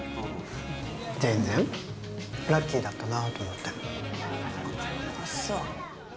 全然ラッキーだったなあと思ってあっそう